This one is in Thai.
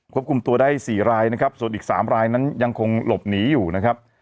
ควบคุมตัวได้๔รายนะครับส่วนอีก๓รายนั้นยังคงหลบหนีอยู่นะครับ